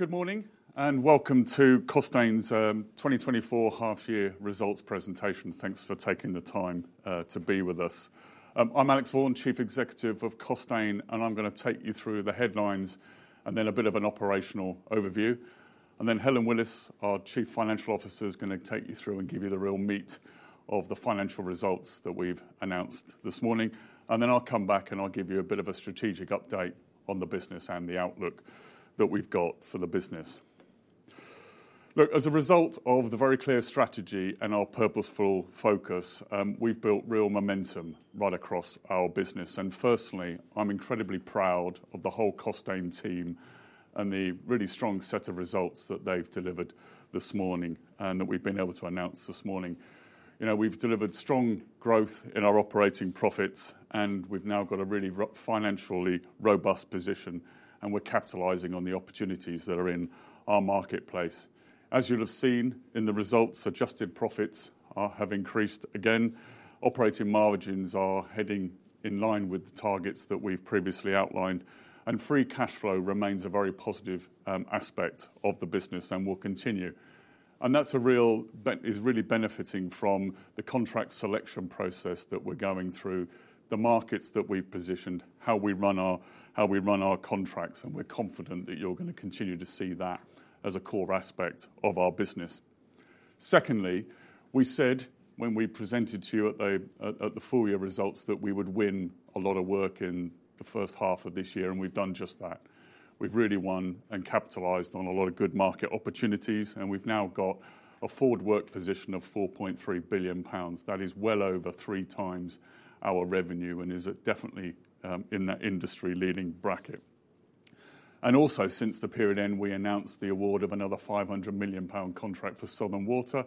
Good Morning and welcome to Costain's 2024 half year results presentation. Thanks for taking the time to be with us. I'm Alex Vaughan, Chief Executive of Costain and I'm gonna take you through the headlines and then a bit of an operational overview and then Helen Willis, our Chief Financial Officer is gonna take you through and give you the real meat of the financial results that we've announced this morning and then I'll come back and I'll give you a bit of a strategic update on the business and the outlook that we've got for the business. Look, as a result of the very clear strategy and our purposeful focus, we've built real momentum right across our business and firstly, I'm incredibly proud of the whole Costain team and the really strong set of results that they've delivered this morning and that we've been able to announce this morning. We've delivered strong growth in our operating profits and we've now got a really financially robust position and we're capitalizing on the opportunities that are in our marketplace. As you'll have seen in the results, adjusted profits have increased again. Operating margins are heading in line with the targets that we've previously outlined and free cash flow remains a very positive aspect of the business and will continue. And that's really benefiting from the contract selection process that we're going through, the markets that we've positioned, how we run our contracts and we're confident that you're going to continue to see that as a core aspect of our business. Secondly, we said when we presented to you at the full year results that we would win a lot of work in the H1 of this year and we've done just that. We've really won and capitalized on a lot of good market opportunities and we've now got a forward work position of 4.3bn pounds. That is well over three times our revenue and is definitely in that industry-leading bracket and also, since the period end, we announced the award of another 500m pound contract for Southern Water.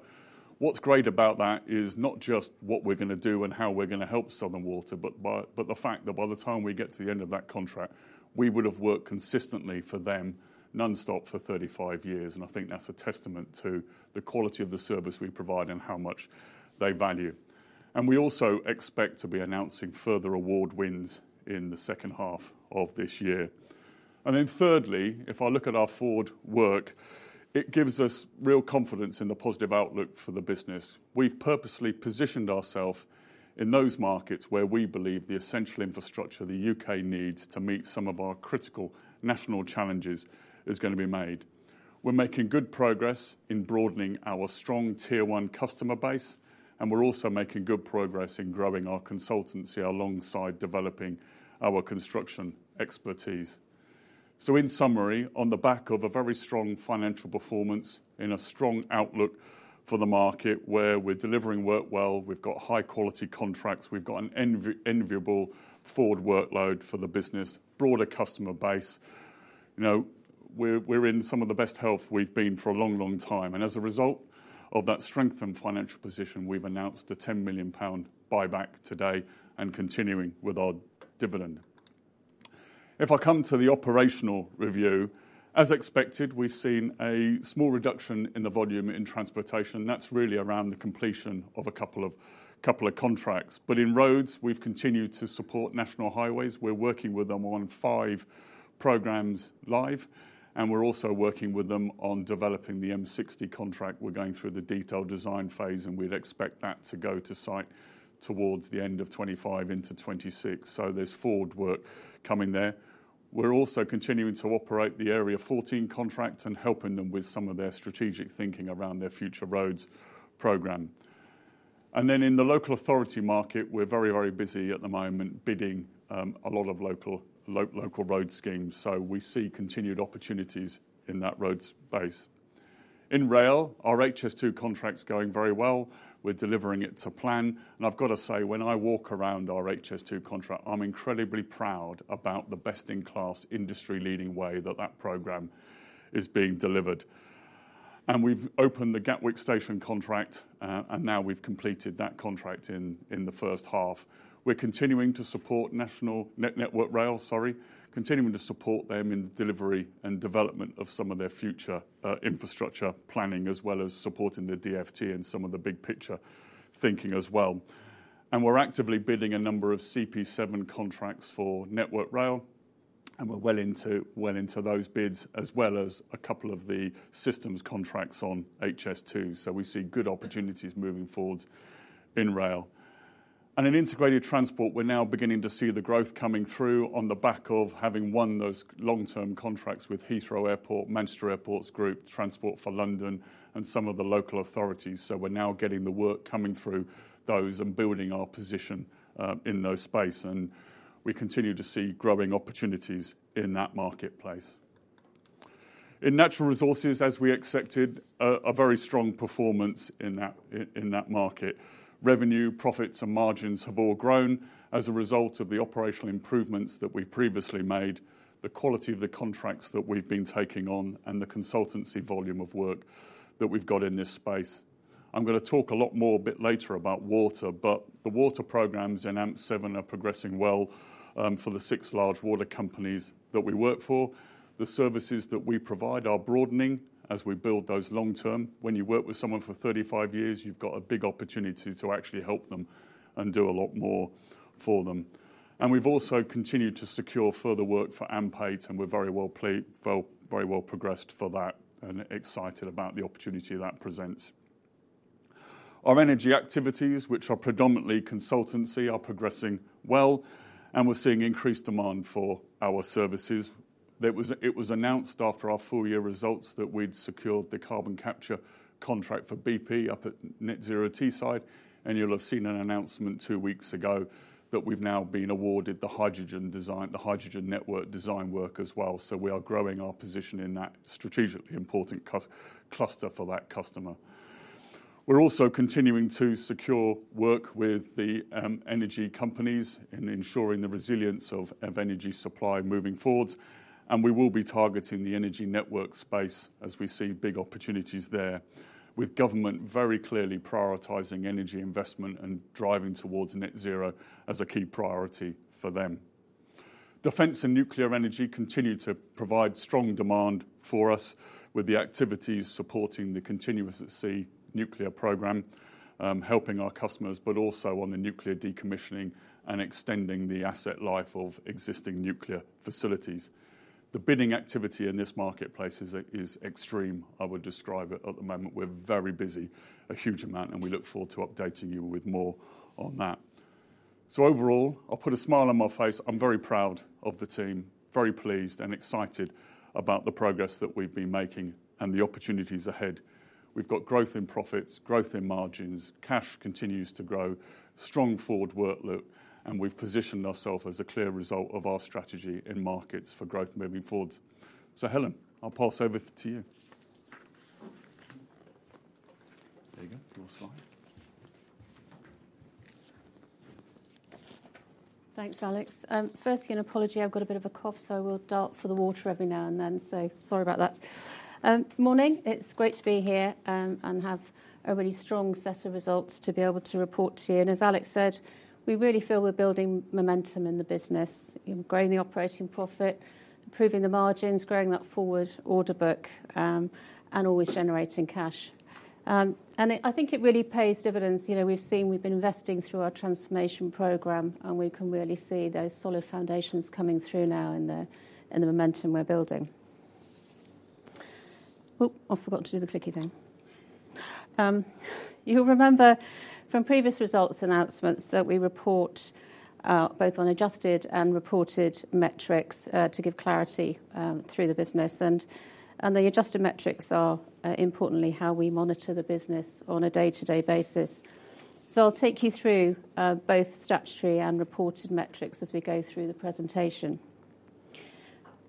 What's great about that is not just what we're gonna do and how we're gonna help Southern Water, but the fact that by the time we get to the end of that contract, we would have worked consistently for them nonstop for 35 years and I think that's a testament to the quality of the service we provide and how much they value and we also expect to be announcing further award wins in the H2 of this year and then thirdly, if I look at our forward work, it gives us real confidence in the positive outlook for the business. We've purposely positioned ourselves in those markets where we believe the essential infrastructure the UK needs to meet some of our critical national challenges is going to be made. We're making good progress in broadening our strong Tier One customer base and we're also making good progress in growing our consultancy alongside developing our construction expertise. So in summary, on the back of a very strong financial performance, in a strong outlook for the market where we're delivering work well, we've got high-quality contracts, we've got an enviable forward workload for the business, broader customer base. we're in some of the best health we've been for a long, long time and as a result of that strengthened financial position, we've announced a 10m pound buyback today and continuing with our dividend. If I come to the operational review, as expected, we've seen a small reduction in the volume in transportation. That's really around the completion of a couple of contracts. But in roads, we've continued to support National Highways. We're working with them on five programs live and we're also working with them on developing the M60 contract. We're going through the detailed design phase and we'd expect that to go to site towards the end of 2025 into 2026. So there's forward work coming there. We're also continuing to operate the Area 14 contract and helping them with some of their strategic thinking around their future roads program and then in the local authority market, we're very busy at the moment, bidding a lot of local road schemes, so we see continued opportunities in that road space. In rail, our HS2 contract's going very well. We're delivering it to plan and I've got to say, when I walk around our HS2 contract, I'm incredibly proud about the best-in-class, industry-leading way that that program is being delivered. We've opened the Gatwick Station contract and now we've completed that contract in the H1. We're continuing to support Network Rail, sorry, continuing to support them in the delivery and development of some of their future infrastructure planning, as well as supporting the DfT and some of the big-picture thinking as well. We're actively bidding a number of CP7 contracts for Network Rail and we're well into those bids, as well as a couple of the systems contracts on HS2. We see good opportunities moving forward in rail. In integrated transport, we're now beginning to see the growth coming through on the back of having won those long-term contracts with Heathrow Airport, Manchester Airports Group Transport for London and some of the local authorities. We're now getting the work coming through those and building our position in those space and we continue to see growing opportunities in that marketplace. In natural resources, as we expected, a very strong performance in that market. Revenue, profits and margins have all grown as a result of the operational improvements that we previously made, the quality of the contracts that we've been taking on and the consultancy volume of work that we've got in this space. I'm going to talk a lot more a bit later about water, but the water programs in AMP7 are progressing well for the six large water companies that we work for. The services that we provide are broadening as we build those long term. When you work with someone for 35 years, you've got a big opportunity to actually help them and do a lot more for them and we've also continued to secure further work for AMP8 and we're very well progressed for that and excited about the opportunity that presents. Our energy activities, which are predominantly consultancy, are progressing well and we're seeing increased demand for our services. There was, it was announced after our full year results that we'd secured the carbon capture contract for BP up at Net Zero Teesside and you'll have seen an announcement two weeks ago that we've now been awarded the hydrogen design, the hydrogen network design work as well. So we are growing our position in that strategically important cluster for that customer. We're also continuing to secure work with the energy companies in ensuring the resilience of energy supplymoving forward and we will be targeting the energy network space as we see big opportunities there, with government very clearly prioritizing energy investment and driving towards net zero as a key priority for them. Defense and nuclear energy continue to provide strong demand for us with the activities supporting the Continuous at Sea nuclear program, helping our customers, but also on the nuclear decommissioning and extending the asset life of existing nuclear facilities. The bidding activity in this marketplace is extreme, I would describe it at the moment. We're very busy, a huge amount and we look forward to updating you withmore on that. So overall, I'll put a smile onmy face. I'm very proud of the team, very pleased and excited about the progress that we've beenmaking and the opportunities ahead. We've got growth in profits, growth inmargins, cash continues to grow, strong forward workload and we've positioned ourselves as a clear result of our strategy inmarkets for growthmoving forward. So Helen, I'll pass over to you. There you go, your slide. Thanks, Alex. Firstly, an apology. I've got a bit of a cough, so I will dart for the water every now and then, so sorry about that morning, it's great to be here and have a really strong set of results to be able to report to you and as Alex said, we really feel we're building momentum in the business, in growing the operating profit, improving the margins, growing that forward order book and always generating cash and it, I think it really pays dividends. we've seen, we've been investing through our transformation program and we can really see those solid foundations coming through now in the momentum we're building. I forgot to do the clicky thing. You'll remember from previous results announcements that we report both on adjusted and reported metrics to give clarity through the business. The adjustedmetrics are importantly how we monitor the business on a day-to-day basis, so I'll take you through both statutory and reported metrics as we go through the presentation,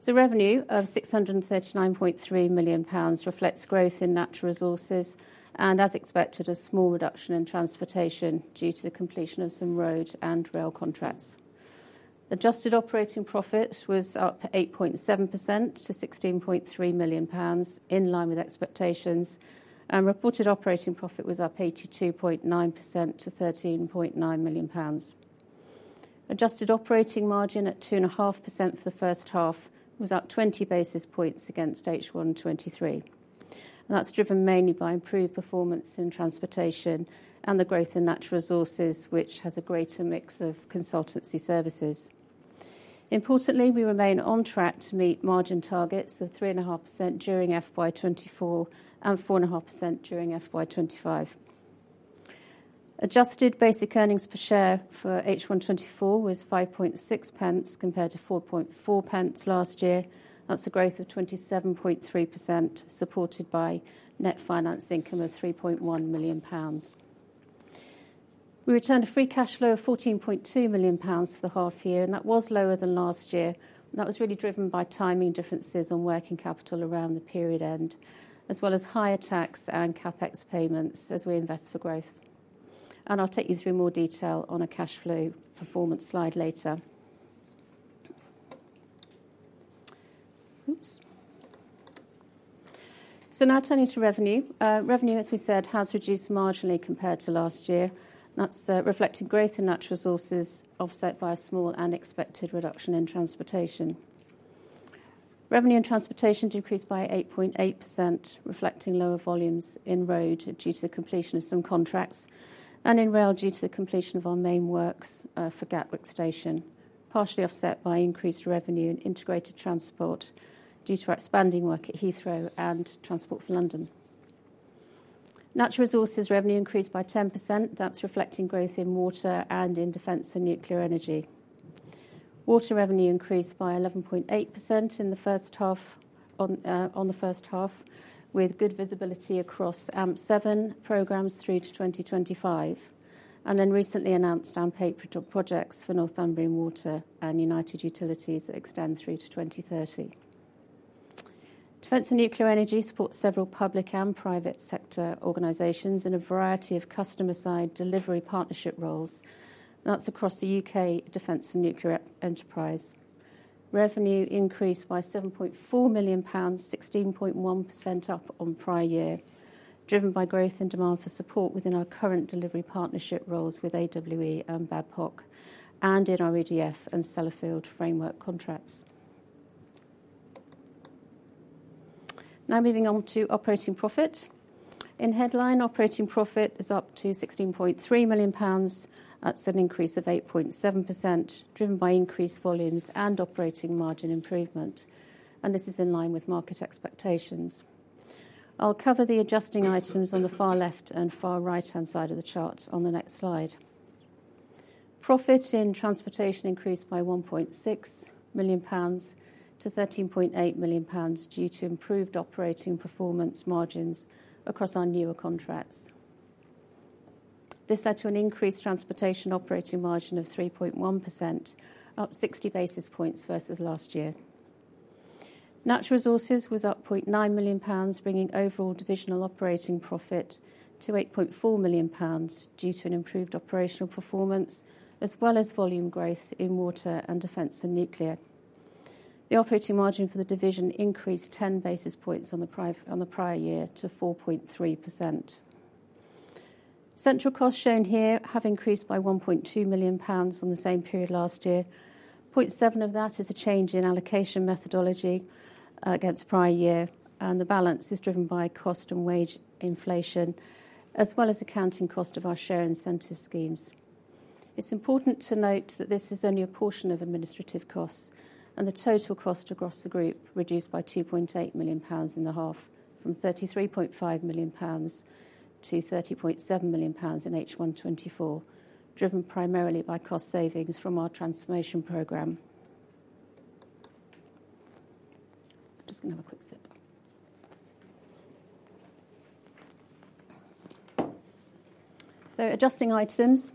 so revenue of 639.3m pounds reflects growth in natural resources and, as expected, a small reduction in transportation due to the completion of some road and rail contracts. Adjusted operating profit was up 8.7% to 16.3m pounds in line with expectations and reported operating profit was up 82.9% to 13.9m pounds. Adjusted operating margin at 2.5% for the H1 was up 20 basis points against H1 2023 and that's drivenmainly by improved performance in transportation and the growth in natural resources, which has a greatermix of consultancy services. Importantly, we remain on track to meet margin targets of 3.5% during FY 2024 and 4.5% during FY 2025. Adjusted basic earnings per share for H1 2024 was 0.056 compared to 0.044 last year. That's a growth of 27.3%, supported by net finance income of 3.1m pounds. We returned a free cash flow of 14.2m pounds for the half year and that was lower than last year. That was really driven by timing differences on working capital around the period end, as well as higher tax and CapEx payments as we invest for growth and I'll take you through more detail on a cash flow performance slide later. Oops. So now turning to revenue. Revenue, as we said, has reduced marginally compared to last year. That's reflecting growth in natural resources, offset by a small and expected reduction in transportation. Revenue and transportation decreased by 8.8%, reflecting lower volumes in road due to the completion of some contracts and in rail, due to the completion of our main works for Gatwick Station, partially offset by increased revenue in integrated transport due to our expanding work at Heathrow and Transport for London. Natural resources revenue increased by 10%. That's reflecting growth in water and in defense and nuclear energy. Water revenue increased by 11.8% in the H1 with good visibility across AMP7 programs through to 2025 and then recently announced AMP8 projects for Northumbrian Water and United Utilities that extend through to 2030. Defense and nuclear energy supports several public and private sector organizations in a variety of customer-side delivery partnership roles. That's across the UK defense and nuclear enterprise. Revenue increased by 7.4m pounds, 16.1% up on prior year, driven by growth and demand for support within our current delivery partnership roles with AWE and Babcock and in our EDF and Sellafield framework contracts. Now moving on to operating profit. In headline, operating profit is up to 16.3m pounds. That's an increase of 8.7%, driven by increased volumes and operating margin improvement and this is in line withmarket expectations. I'll cover the adjusting items on the far left and far right-hand side of the chart on the next slide. Profit in transportation increased by 1.6m pounds to 13.8m pounds, due to improved operating performance margins across our newer contracts. This led to an increased transportation operating margin of 3.1%, up sixty basis points versus last year. Natural resources was up 0.9m pounds, bringing overall divisional operating profit to 8.4m pounds, due to an improved operational performance as well as volume growth in water and defense and nuclear. The operating margin for the division increased ten basis points on the prior year to 4.3%. Central costs shown here have increased by 1.2m pounds on the same period last year. 0.7 of that is a change in allocation methodology against prior year and the balance is driven by cost and wage inflation, as well as accounting cost of our share incentive schemes. It's important to note that this is only a portion of administrative costs and the total cost across the group reduced by 2.8m pounds in the half, from 33.5m pounds to 30.7m pounds in H1 2024, driven primarily by cost savings from our transformation program. Just gonna have a quick sip. So adjusting items.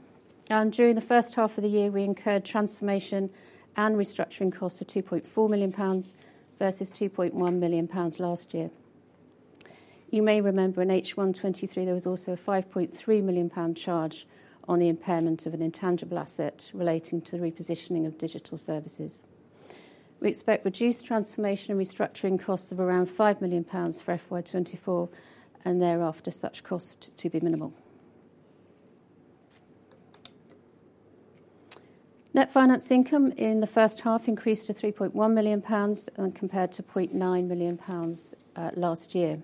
During the H1 of the year, we incurred transformation and restructuring costs of 2.4m pounds versus 2.1m pounds last year. You may remember in H1 2023, there was also a 5.3m pound charge on the impairment of an intangible asset relating to the repositioning of digital services. We expect reduced transformation and restructuring costs of around 5m pounds for FY 2024 and thereafter, such cost to be minimal. Net finance income in the H1 increased to 3.1m pounds and compared to 0.9m pounds last year.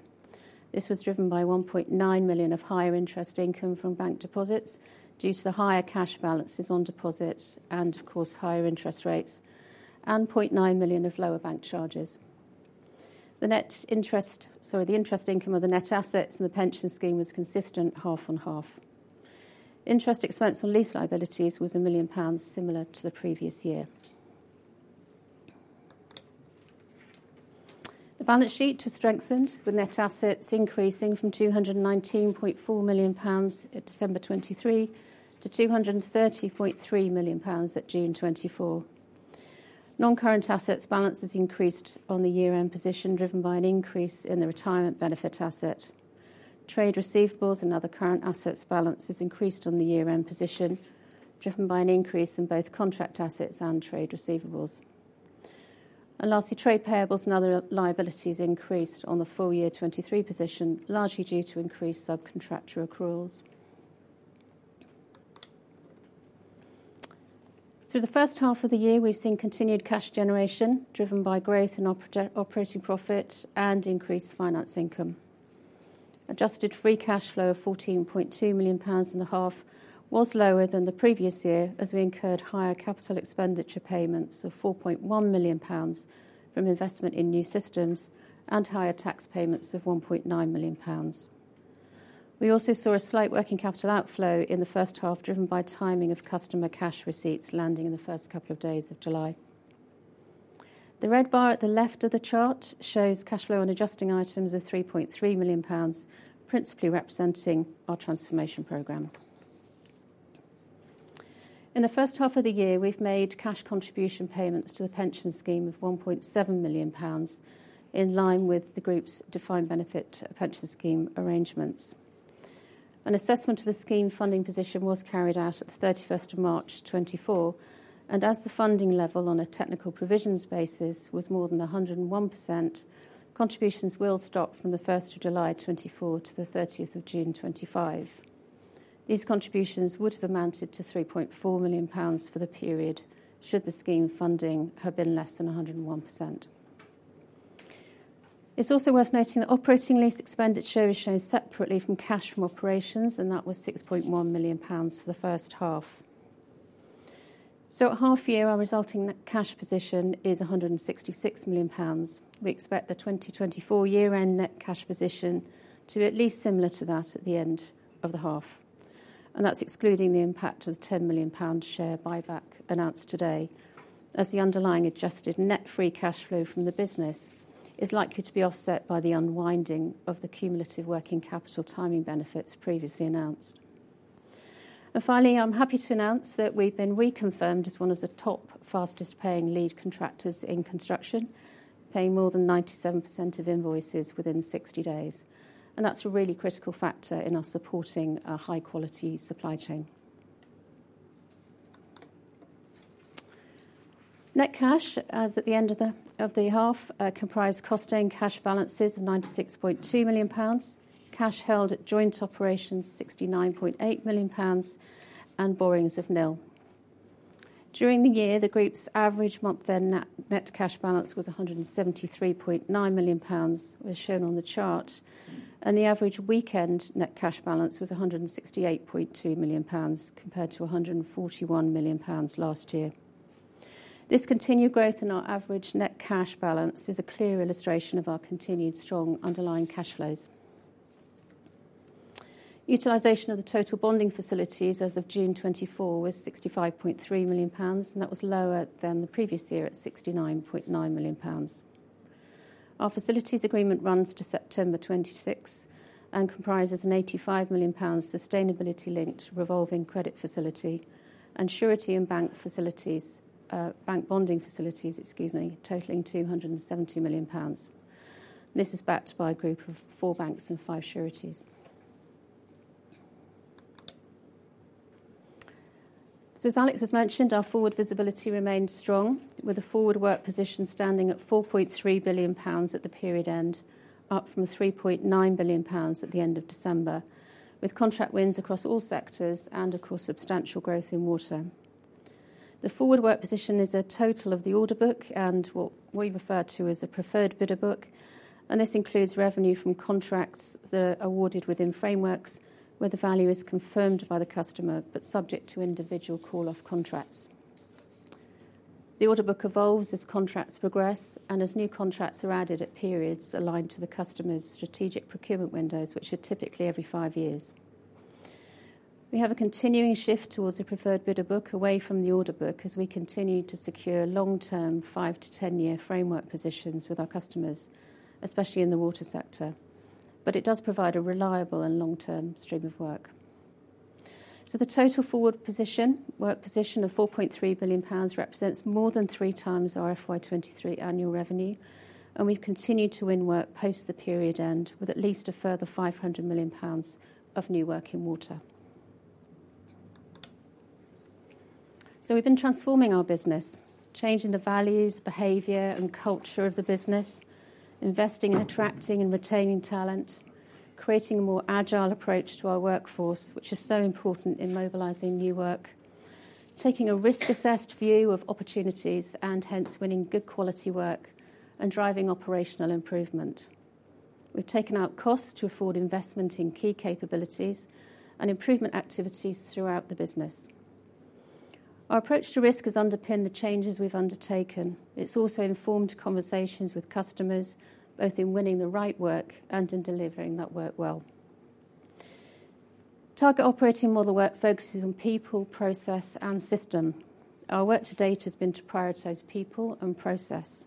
This was driven by 1.9m of higher interest income from bank deposits, due to the higher cash balances on deposit and of course, higher interest rates and 0.9m of lower bank charges. The net interest, sorry, the interest income of the net assets and the pension scheme was consistent half on half. Interest expense on lease liabilities was 1m pounds, similar to the previous year. The balance sheet has strengthened, with net assets increasing from GBP 219.4m at December 2023 to GBP 230.3m at June 2024. Non-current assets balances increased on the year-end position, driven by an increase in the retirement benefit asset. Trade receivables and other current assets balances increased on the year-end position, driven by an increase in both contract assets and trade receivables and lastly, trade payables and other liabilities increased on the full year 2023 position, largely due to increased subcontractor accruals. Through the H1 of the year, we've seen continued cash generation driven by growth in operating profit and increased finance income. Adjusted free cash flow of 14.2m pounds in the half was lower than the previous year, as we incurred higher capital expenditure payments of GBP 4.1m from investment in new systems and higher tax payments of GBP 1.9m. We also saw a slight working capital outflow in the H1, driven by timing of customer cash receipts landing in the first couple of days of July. The red bar at the left of the chart shows cash flow on adjusting items of 3.3m pounds, principally representing our transformation program. In the H1 of the year, we'vemade cash contribution payments to the pension scheme of 1.7m pounds, in line with the group's defined benefit pension scheme arrangements. An assessment of the scheme funding position was carried out at the thirty-first of march 2024 and as the funding level on a Technical Provisions Basis was more than 101%, contributions will stop from the first of July 2024 to the thirtieth of June 2025. These contributions would have amounted to 3.4m pounds for the period, should the scheme funding have been less than 101%. It's also worth noting that operating lease expenditure is shown separately from cash from operations and that was 6.1m pounds for the H1. So at half year, our resulting net cash position is 166m pounds. We expect the 2024 year-end net cash position to be at least similar to that at the end of the half and that's excluding the impact of the 10m pound share buyback announced today, as the underlying adjusted net free cash flow from the business is likely to be offset by the unwinding of the cumulative working capital timing benefits previously announced. Finally, I'm happy to announce that we've been reconfirmed as one of the top fastest paying lead contractors in construction, payingmore than 97% of invoices within 60 days and that's a really critical factor in us supporting a high-quality supply chain. Net cash at the end of the half comprised Costain cash balances of 96.2m pounds, cash held at joint operations, 69.8m pounds and borrowings of nil. During the year, the group's averagemonth-end net cash balance was 173.9m pounds, as shown on the chart and the average weekend net cash balance was 168.2m pounds compared to 141m pounds last year. This continued growth in our average net cash balance is a clear illustration of our continued strong underlying cash flows. Utilization of the total bonding facilities as of June 2024 was 65.3m pounds and that was lower than the previous year at 69.9m pounds. Our facilities agreement runs to September 2026 and comprises an GBP 85m sustainability-linked revolving credit facility and surety and bank facilities, bank bonding facilities totaling 270m pounds. This is backed by a group of four banks and five sureties. As Alex has mentioned, our forward visibility remains strong, with a forward work position standing at 4.3bn pounds at the period end, up from 3.9bn pounds at the end of December, with contract wins across all sectors and, of course, substantial growth in water. The forward work position is a total of the order book and what we refer to as a preferred bidder book and this includes revenue from contracts that are awarded within frameworks where the value is confirmed by the customer but subject to individual call-off contracts. The order book evolves as contracts progress and as new contracts are added at periods aligned to the customer's strategic procurement windows, which are typically every five years. We have a continuing shift towards a preferred bidder book away from the order book as we continue to secure long-term, five- to ten-year framework positions with our customers, especially in the water sector. But it does provide a reliable and long-term stream of work. So the total forward work position of 4.3bn pounds represents more than three times our FY 2023 annual revenue and we've continued to win work post the period end, with at least a further 500m pounds of new work in water. So we've been transforming our business, changing the values, behavior and culture of the business, investing in attracting and retaining talent, creating a more agile approach to our workforce, which is so important in mobilizing new work, taking a risk-assessed view of opportunities and hence winning good quality work and driving operational improvement. We've taken out costs to afford investment in key capabilities and improvement activities throughout the business. Our approach to risk has underpinned the changes we've undertaken. It's also informed conversations with customers, both in winning the right work and in delivering that work well. Target Operating Model work focuses on people, process and system. Our work to date has been to prioritize people and process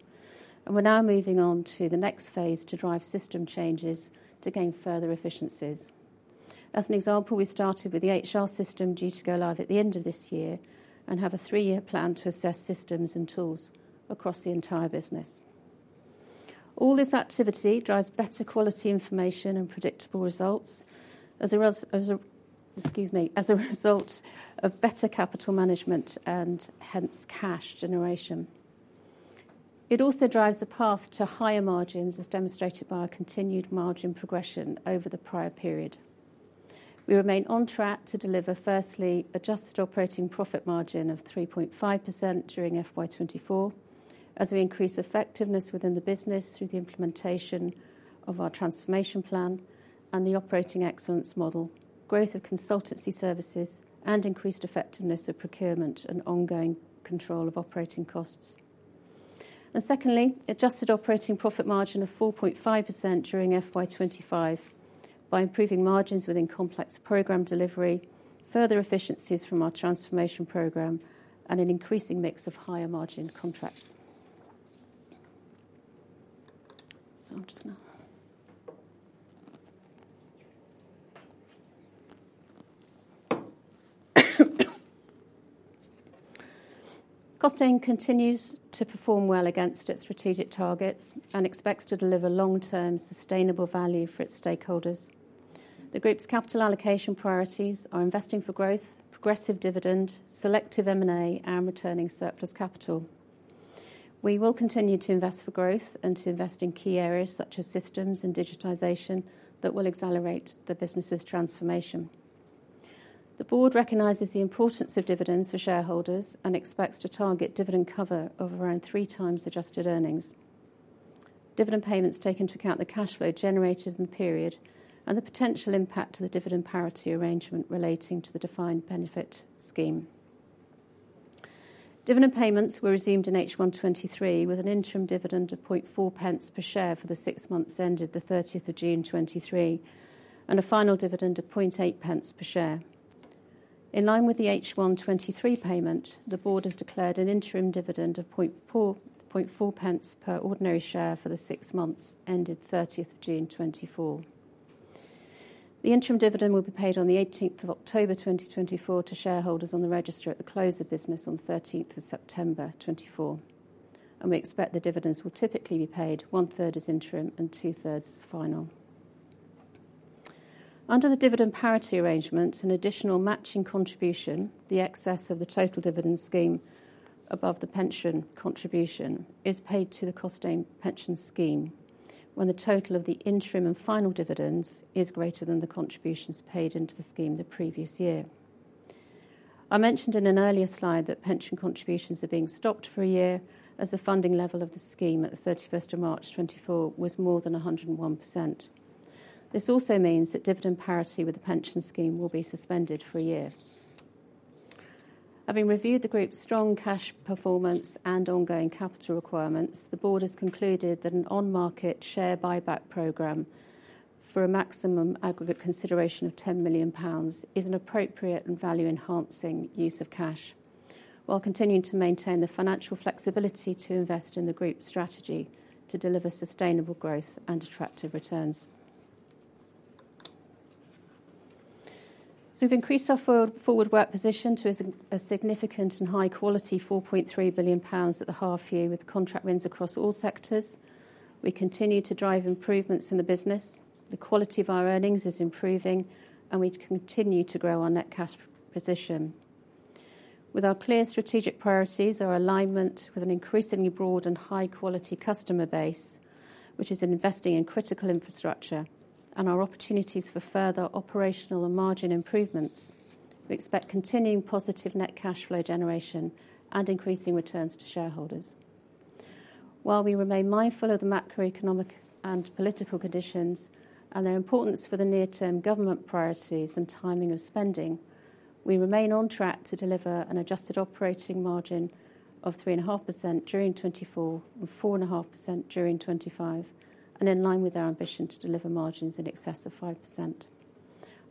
and we're now moving on to the next phase to drive system changes to gain further efficiencies. As an example, we started with the HR system due to go live at the end of this year and have a three-year plan to assess systems and tools across the entire business. All this activity drives better quality information and predictable results as a result of better capital management and hence cash generation. It also drives a path to higher margins, as demonstrated by our continued margin progression over the prior period. We remain on track to deliver, firstly, adjusted operating profit margin of 3.5% during FY 2024 as we increase effectiveness within the business through the implementation of our transformation plan and the operating excellence model, growth of consultancy services and increased effectiveness of procurement and ongoing control of operating costs and secondly, adjusted operating profit margin of 4.5% during FY 2025 by improving margins within complex program delivery, further efficiencies from our transformation program and an increasing mix of higher-margin contracts. Costain continues to perform well against its strategic targets and expects to deliver long-term, sustainable value for its stakeholders. The group's capital allocation priorities are investing for growth, progressive dividend, selective M&A and returning surplus capital. We will continue to invest for growth and to invest in key areas such as systems and digitization that will accelerate the business's transformation. The board recognizes the importance of dividends for shareholders and expects to target dividend cover of around three times adjusted earnings. Dividend payments take into account the cash flow generated in the period and the potential impact to the dividend parity arrangement relating to the defined benefit scheme. Dividend payments were resumed in H1 2023, with an interim dividend of 0.4 pence per share for the six months ended the thirtieth of June 2023 and a final dividend of 0.8 pence per share. In line with the H1 2023 payment, the board has declared an interim dividend of 0.4 pence per ordinary share for the six months ended thirtieth of June 2024. The interim dividend will be paid on the eighteenth of October, 2024, to shareholders on the register at the close of business on the thirteenth of September, 2024 and we expect the dividends will typically be paid one third as interim and two thirds as final. Under the Dividend Parity Arrangement, an additional matching contribution, the excess of the total dividend scheme above the pension contribution, is paid to the Costain pension scheme when the total of the interim and final dividends is greater than the contributions paid into the scheme the previous year. I mentioned in an earlier slide that pension contributions are being stopped for a year as a funding level of the scheme at the thirty-first of march, 2024, was more than 101%. This also means that dividend parity with the pension scheme will be suspended for a year. Having reviewed the group's strong cash performance and ongoing capital requirements, the board has concluded that an on market share buyback program for a maximum aggregate consideration of 10m pounds is an appropriate and value-enhancing use of cash, while continuing to maintain the financial flexibility to invest in the group's strategy to deliver sustainable growth and attractive returns. So we've increased our forward work position to a significant and high quality 4.3bn pounds at the half year, with contract wins across all sectors. We continue to drive improvements in the business. The quality of our earnings is improving and we continue to grow our net cash position. With our clear strategic priorities, our alignment with an increasingly broad and high-quality customer base, which is investing in critical infrastructure and our opportunities for further operational and margin improvements, we expect continuing positive net cash flow generation and increasing returns to shareholders. While we remain mindful of the macroeconomic and political conditions and their importance for the near-term government priorities and timing of spending, we remain on track to deliver an adjusted operating margin of 3.5% during 2024 and 4.5% during 2025 and in line with our ambition to deliver margins in excess of 5%.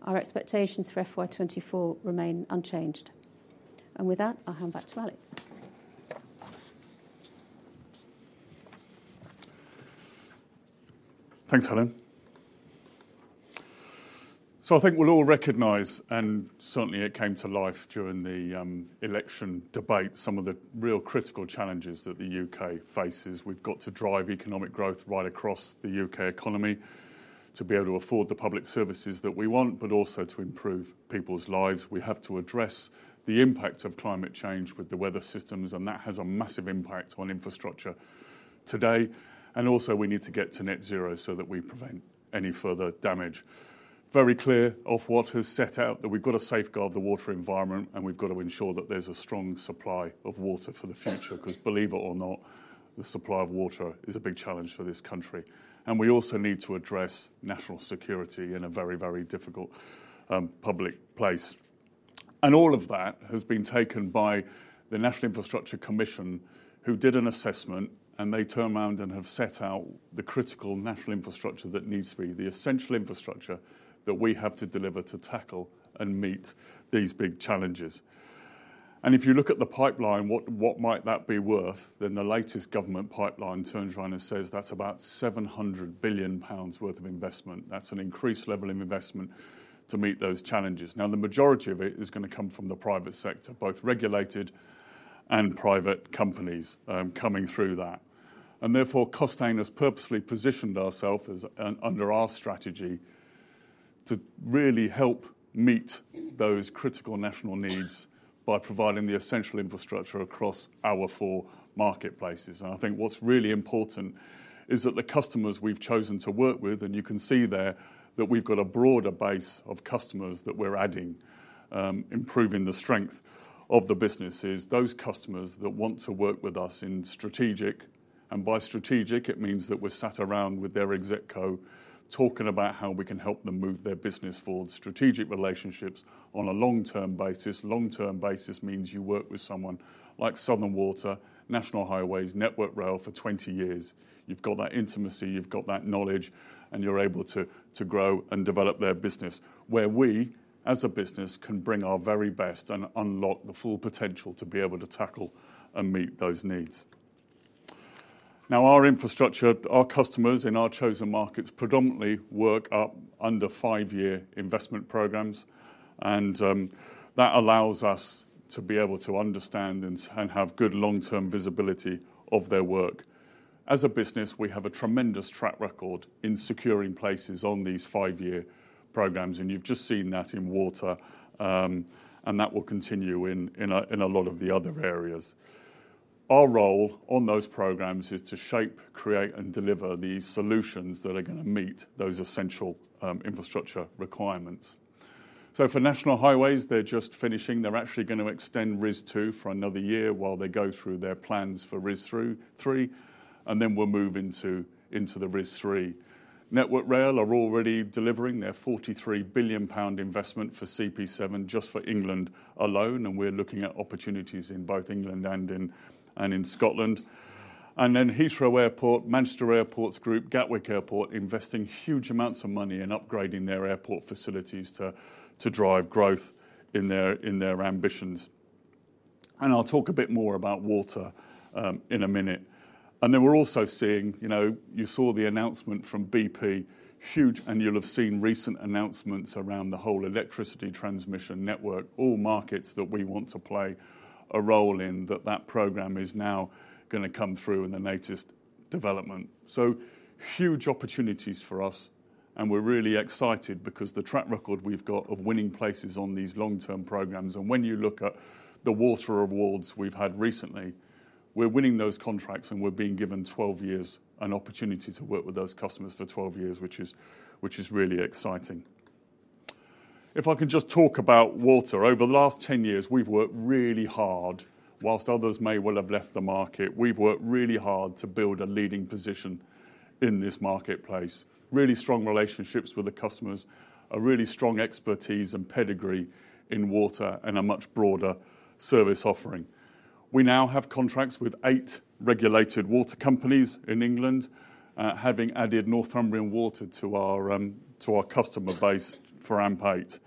Our expectations for FY 2024 remain unchanged and with that, I'll hand back to Alex. Thanks, Helen, so I think we'll all recognize and certainly it came to life during the election debate, some of the real critical challenges that the U.K. faces. We've got to drive economic growth right across the U.K. economy to be able to afford the public services that we want, but also to improve people's lives. We have to address the impact of climate change with the weather systems and that has a massive impact on infrastructure today and also we need to get to net zero so that we prevent any further damage. Very clear Ofwat has set out that we've got to safeguard the water environment and we've got to ensure that there's a strong supply of water for the future, because believe it or not, the supply of water is a big challenge for this country. We also need to address national security in a very, very difficult public place. All of that has been taken by the National Infrastructure Commission, who did an assessment and they turned around and have set out the critical national infrastructure that needs to be, the essential infrastructure that we have to deliver to tackle andmeet these big challenges. If you look at the pipeline, what might that be worth? The latest government pipeline turnaround says that's about 700bn pounds worth of investment. That's an increased level of investment to meet those challenges. Now, the majority of it is going to come from the private sector, both regulated and private companies, coming through that. And therefore, Costain has purposely positioned ourselves as and under our strategy, to really help meet those critical national needs by providing the essential infrastructure across our four marketplaces and I think what's really important is that the customers we've chosen to work with and you can see there that we've got a broader base of customers that we're adding, improving the strength of the businesses, those customers that want to work with us in strategic and by strategic, it means that we're sat around with their ExCo, talking about how we can help them move their business forward. Strategic relationships on a long-term basis. Long-term basis means you work with someone like Southern Water, National Highways, Network Rail for 20 years. You've got that intimacy, you've got that knowledge and you're able to to grow and develop their business, where we, as a business, can bring our very best and unlock the full potential to be able to tackle andmeet those needs. Now, our infrastructure, our customers in our chosen markets predominantly work up under five-year investment programs and that allows us to be able to understand and have good long-term visibility of their work. As a business, we have a tremendous track record in securing places on these five-year programs and you've just seen that in water and that will continue in a lot of the other areas. Our role on those programs is to shape, create and deliver the solutions that are going to meet those essential infrastructure requirements. So for National Highways, they're just finishing. They're actually going to extend RIS2 for another year while they go through their plans for RIS3 and then we'llmove into the RIS3. Network Rail are already delivering their 43bn pound investment for CP7, just for England alone and we're looking at opportunities in both England and Scotland. Heathrow Airport, Manchester Airports Group, Gatwick Airport, investing huge amounts of money in upgrading their airport facilities to drive growth in their ambitions. I'll talk a bit more about water in a minute. We're also seeing, you saw the announcement from BP, huge and you'll have seen recent announcements around the whole electricity transmission network, all markets that we want to play a role in, that program is now gonna come through in the latest development. Huge opportunities for us and we're really excited because the track record we've got of winning places on these long-term programs and when you look at the water awards we've had recently, we're winning those contracts and we're being given twelve years, an opportunity to work with those customers for twelve years, which is really exciting. If I could just talk about water. Over the last ten years, we've worked really hard. While others may well have left the market, we've worked really hard to build a leading position in this marketplace. Really strong relationships with the customers, a really strong expertise and pedigree in water and a much broader service offering. We now have contracts with eight regulated water companies in England, having added Northumbrian Water to our customer base for AMP8.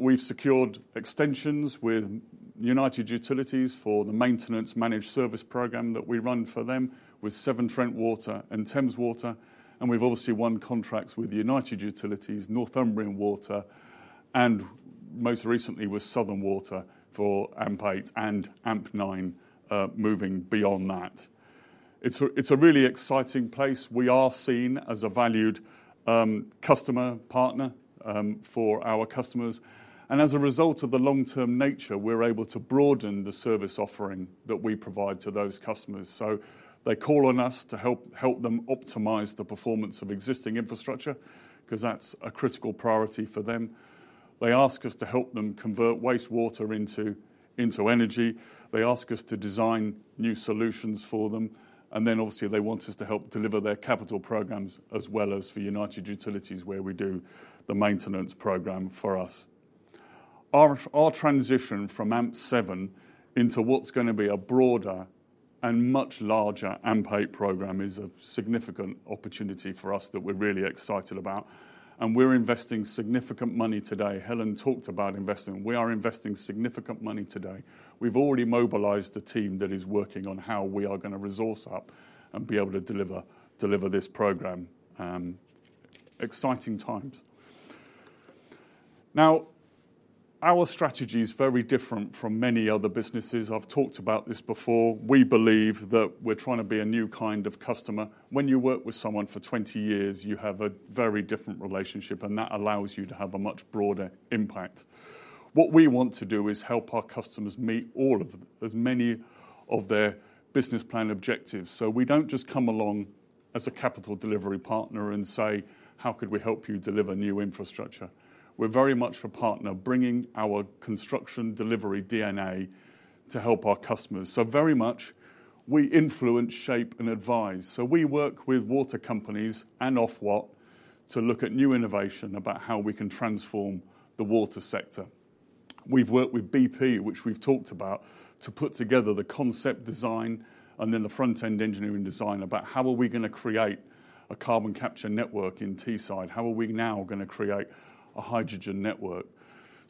We've secured extensions with United Utilities for the maintenance managed service program that we run for them, with Severn Trent Water and Thames Water and we've obviously won contracts with United Utilities, Northumbrian Water and most recently with Southern Water for AMP8 and AMP9 moving beyond that. It's a really exciting place. We are seen as a valued customer partner for our customers and as a result of the long-term nature, we're able to broaden the service offering that we provide to those customers. They call on us to help them optimize the performance of existing infrastructure, 'cause that's a critical priority for them. They ask us to help them convert wastewater into energy. They ask us to design new solutions for them and then obviously, they want us to help deliver their capital programs, as well as for United Utilities, where we do the maintenance program for us. Our transition from AMP7 into what's going to be a broader and much larger AMP8 program is a significant opportunity for us that we're really excited about and we're investing significant money today. Helen talked about investing. We are investing significant money today. We've already mobilized the team that is working on how we are going to resource up and be able to deliver this program. Exciting times. Now, our strategy is very different from many other businesses. I've talked about this before. We believe that we're trying to be a new kind of customer. When you work with someone for twenty years, you have a very different relationship and that allows you to have a much broader impact. What we want to do is help our customers meet all of them, as many of their business plan objectives. So we don't just come along as a capital delivery partner and say: How could we help you deliver new infrastructure? We're very much a partner, bringing our construction delivery DNA to help our customers. So very much, we influence, shape and advise, so we work with water companies and Ofwat to look at new innovation about how we can transform the water sector. We've worked with BP, which we've talked about, to put together the concept design and then the front-end engineering design, about how are we gonna create a carbon capture network in Teesside? How are we now gonna create a hydrogen network?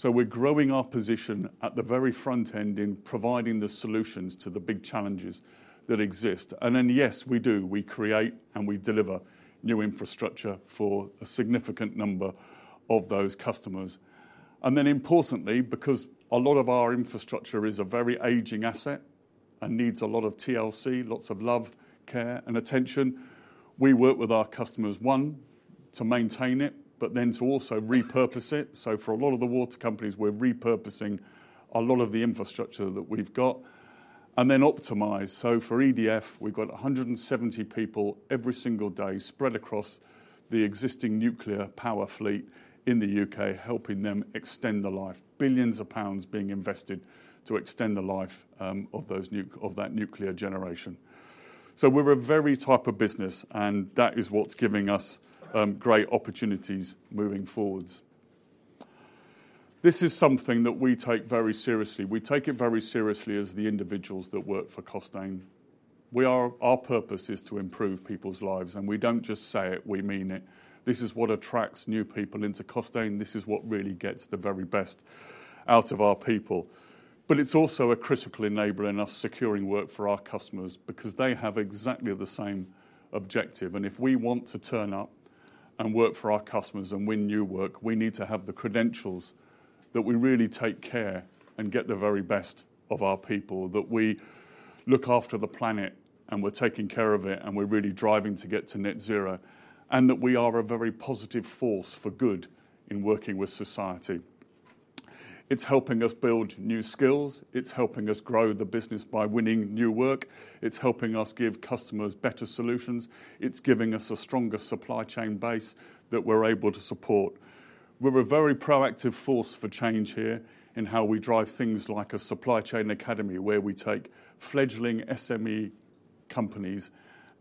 We're growing our position at the very front end in providing the solutions to the big challenges that exist and then, yes, we do. We create and we deliver new infrastructure for a significant number of those customers and then importantly, because a lot of our infrastructure is a very aging asset and needs a lot of TLC, lots of love, care and attention, we work with our customers, one, to maintain it, but then to also repurpose it. So for a lot of the water companies, we're repurposing a lot of the infrastructure that we've got and then optimize. So for EDF, we've got 170 people every single day spread across the existing nuclear power fleet in the UK, helping them extend the life billions of pounds being invested to extend the life, of that nuclear generation. We're a very type of business and that is what's giving us great opportunities moving forward. This is something that we take very seriously. We take it very seriously as the individuals that work for Costain. Our purpose is to improve people's lives and we don't just say it, we mean it. This is what attracts new people into Costain. This is what really gets the very best out of our people. But it's also a critical enabler in us securing work for our customers because they have exactly the same objective and if we want to turn up and work for our customers and win new work, we need to have the credentials that we really take care and get the very best of our people, that we look after the planet and we're taking care of it and we're really driving to get to Net zero and that we are a very positive force for good in working with society. It's helping us build new skills. It's helping us grow the business by winning new work. It's helping us give customers better solutions. It's giving us a stronger supply chain base that we're able to support. We're a very proactive force for change here in how we drive things like a supply chain academy, where we take fledgling SME companies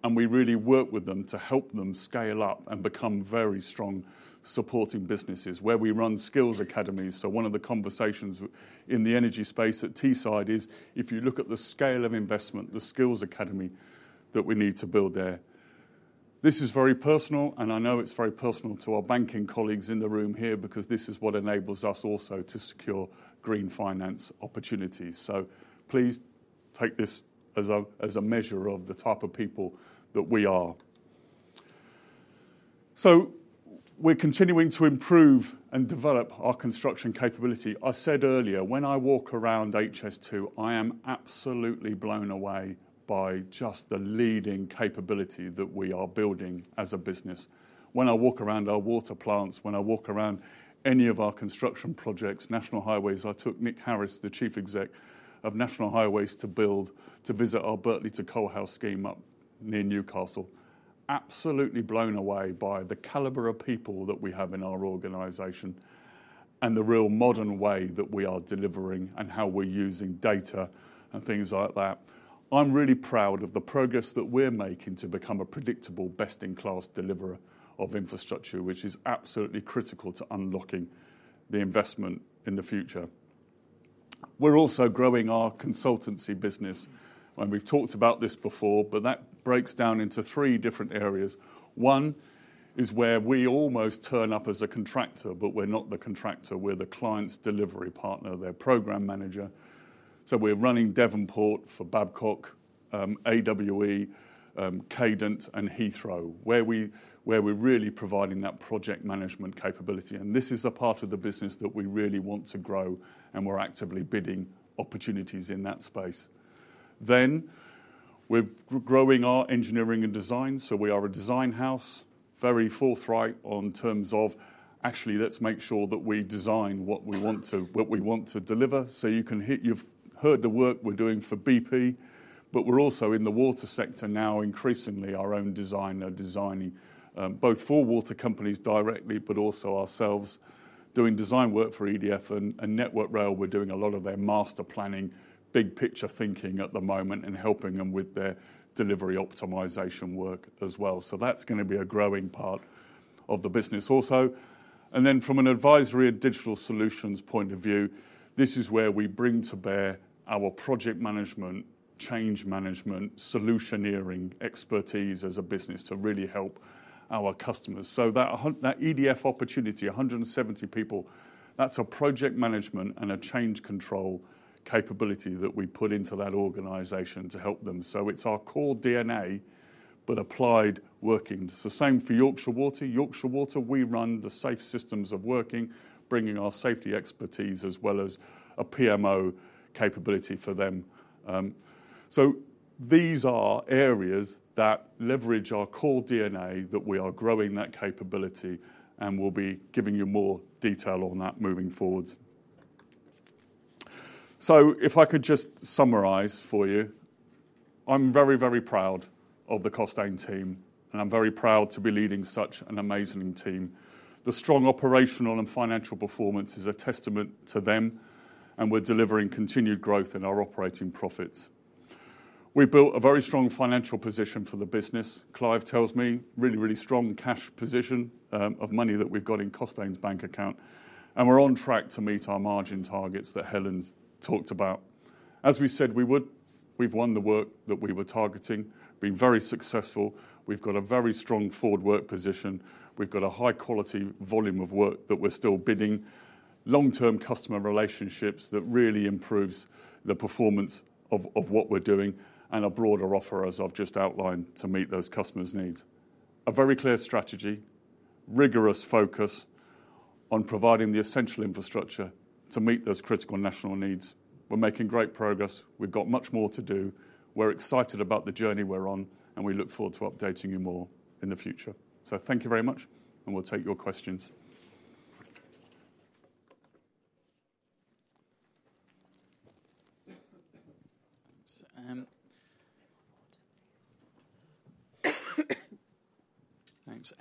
and we really work with them to help them scale up and become very strong, supporting businesses where we run skills academies. So one of the conversations in the energy space at Teesside is if you look at the scale of investment, the skills academy that we need to build there. This is very personal and I know it's very personal to our banking colleagues in the room here because this is what enables us also to secure green finance opportunities. So please take this as a, as a measure of the type of people that we are. So we're continuing to improve and develop our construction capability. I said earlier, when I walk around HS2, I am absolutely blown away by just the leading capability that we are building as a business. When I walk around our water plants, when I walk around any of our construction projects, National Highways, I took Nick Harris, the Chief Exec of National Highways, to build, to visit our Birtley to Coalhouse scheme up near Newcastle. Absolutely blown away by the caliber of people that we have in our organization and the realmodern way that we are delivering and how we're using data and things like that. I'm really proud of the progress that we're making to become a predictable, best-in-class deliverer of infrastructure, which is absolutely critical to unlocking the investment in the future. We're also growing our consultancy business and we've talked about this before, but that breaks down into three different areas. One is where we almost turn up as a contractor, but we're not the contractor, we're the client's delivery partner, their program manager. So we're running Devonport for Babcock, AWE, Cadent and Heathrow, where we're really providing that project management capability and this is a part of the business that we really want to grow and we're actively bidding opportunities in that space. Then, we're growing our engineering and design, so we are a design house. Very forthright on terms of actually let's make sure that we design what we want to, what we want to deliver. So you can hear. You've heard the work we're doing for BP, but we're also in the water sector now, increasingly our own design are designing, both for water companies directly, but also ourselves doing design work for EDF and Network Rail. We're doing a lot of their master planning, big picture thinking at the moment and helping them with their delivery optimization work as well. That's gonna be a growing part of the business also. From an advisory and digital solutions point of view, this is where we bring to bear our project management, change management, solutioneering expertise as a business to really help our customers. That EDF opportunity, 170 people, that's a project management and a change control capability that we put into that organization to help them. It's our core DNA, but applied working. It's the same for Yorkshire Water. Yorkshire Water, we run the safe systems of working, bringing our safety expertise as well as a PMO capability for them. So these are areas that leverage our core DNA, that we are growing that capability and we'll be giving you more detail on thatmoving forward. So if I could just summarize for you. I'm very, very proud of the Costain team and I'm very proud to be leading such an amazing team. The strong operational and financial performance is a testament to them and we're delivering continued growth in our operating profits. We built a very strong financial position for the business. Clive tells me, really, really strong cash position of money that we've got in Costain's bank account and we're on track to meet our margin targets that Helen's talked about. As we said we would, we've won the work that we were targeting, been very successful. We've got a very strong forward work position. We've got a high-quality volume of work that we're still bidding. Long-term customer relationships that really improves the performance of what we're doing and a broader offer, as I've just outlined, to meet those customers' needs. A very clear strategy, rigorous focus on providing the essential infrastructure to meet those critical national needs. We're making great progress. We've got much more to do. We're excited about the journey we're on and we look forward to updating you more in the future. So thank you very much and we'll take your questions.